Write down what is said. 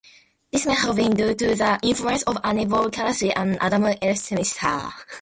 This may have been due to the influence of Annibale Carracci and Adam Elsheimer.